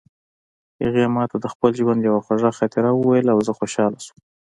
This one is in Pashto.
هغې ما ته د خپل ژوند یوه خوږه خاطره وویله او زه خوشحاله شوم